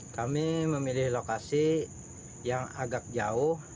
kami memilih lokasi yang agak jauh